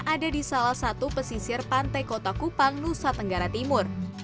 ada di salah satu pesisir pantai kota kupang nusa tenggara timur